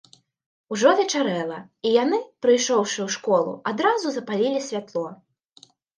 Ужо звечарэла, і яны, прыйшоўшы ў школу, адразу запалілі святло.